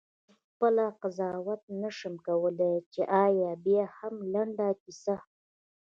زه خپله قضاوت نه شم کولای چې آیا بیاهم لنډه کیسه؟ …